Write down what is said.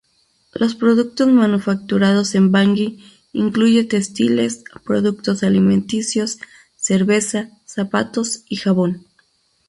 Los productos manufacturados en Bangui incluye textiles, productos alimenticios, cerveza, zapatos y jabón.